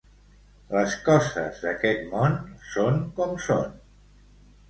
Les coses d'aquest món són com són.